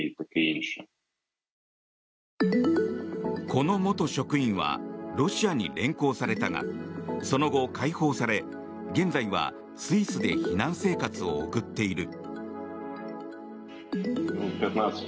この元職員はロシアに連行されたがその後、解放され現在はスイスで避難生活を送っている。